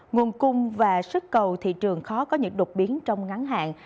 nguồn cung và sức cầu thị trường khó có những đột biến trong ngắn hạn